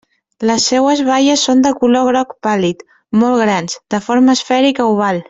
Les seues baies són de color groc pàl·lid, molt grans, de forma esfèrica oval.